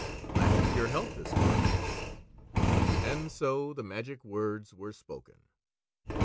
I hope your health is fine," and so the magic words were spoken.